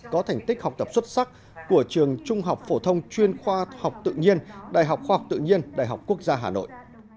có thành tích học tập xuất sắc của trường trung học phổ thông chuyên khoa học tự nhiên đại học khoa học tự nhiên đại học quốc gia hà nội